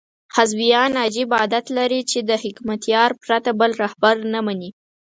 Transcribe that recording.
حزبیان عجیب عادت لري چې د حکمتیار پرته بل رهبر نه مني.